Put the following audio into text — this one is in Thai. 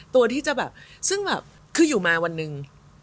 ตัวที่จะแบบซึ่งแบบคืออยู่มาวันหนึ่ง